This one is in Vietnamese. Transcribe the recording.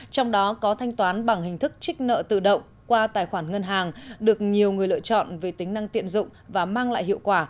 trong đó có thanh toán bằng hình thức trích nợ tự động qua tài khoản ngân hàng được nhiều người lựa chọn về tính năng tiện dụng và mang lại hiệu quả